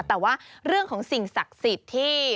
แต่ว่าเรื่องของสิ่งศักดิ์สิทธิ์ที่